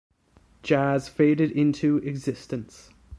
Jaz faded into existence